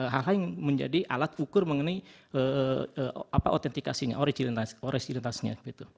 hal hal yang menjadi alat ukur mengenai apa otentikasinya origilitasnya